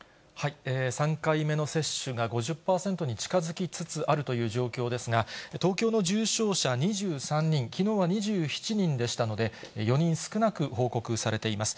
３回目の接種が５０％に近づきつつあるという状況ですが、東京の重症者２３人、きのうは２７人でしたので、４人少なく報告されています。